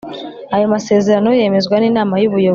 Ayo masezerano yemezwa n Inama y Ubuyobozi